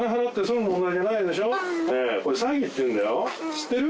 知ってる？